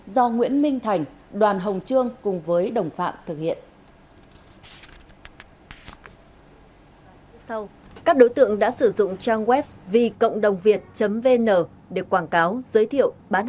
do nguyễn minh thành đoàn hồng trương cùng với đồng phạm thực hiện